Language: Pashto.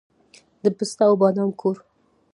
د پسته او بادام کور.